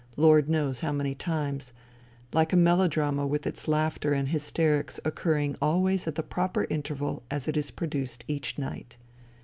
Lord knows how many times, like a melodrama with its laughter and hysterics occurring always at the proper interval as it is produced each night.